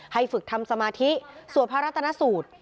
ฝึกทำสมาธิสวดพระรัตนสูตร